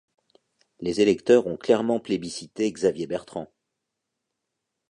Les électeurs ont clairement plébiscité Xavier Bertrand.